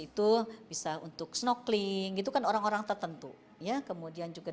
itu bisa untuk snorkeling gitu kan orang orang tertentu ya kemudian juga